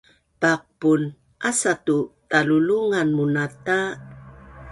Paqpun asa tu talulungan munata